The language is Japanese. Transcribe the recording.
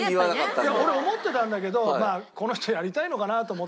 いや俺思ってたんだけどこの人やりたいのかなと思って。